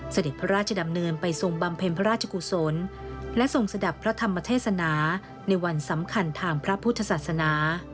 เสด็จพระราชดำเนินไปทรงบำเพ็ญพระราชกุศลและทรงสะดับพระธรรมเทศนาในวันสำคัญทางพระพุทธศาสนา